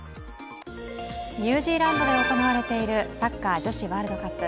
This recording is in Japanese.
ニュージーランドで行われているサッカー女子ワールドカップ。